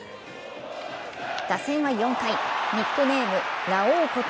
打線は４回、ニックネームラオウこと